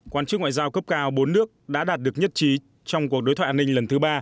quan chức ngoại giao cấp cao bốn nước đã đạt được nhất trí trong cuộc đối thoại an ninh lần thứ ba